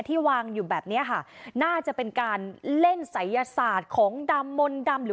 วางอยู่แบบเนี้ยค่ะน่าจะเป็นการเล่นศัยยศาสตร์ของดำมนต์ดำหรือ